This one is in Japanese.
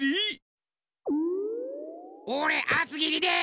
おれあつぎりで！